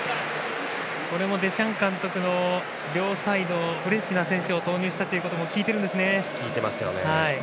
これもデシャン監督の両サイド、フレッシュな選手を投入したことも効いているんですね。